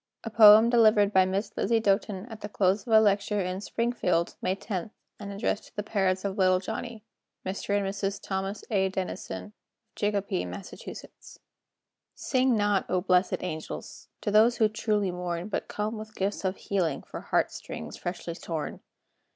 [A poem delivered by Miss Lizzie Doten at the close of a lecture in Springfield, May 10, and addressed to the parents of Little Johnny Mr. and Mrs. Thomas A. Denison, of Chicopee, Mass.] Sing not, O blessed angels! To those who truly mourn, But come with gifts of healing, For heart strings freshly torn.